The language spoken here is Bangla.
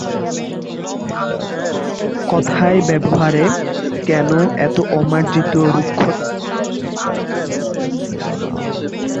কথায় ব্যবহারে কেন এত অমার্জিত রুক্ষতা?